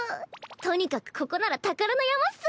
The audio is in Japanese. とにかくここなら宝の山っス。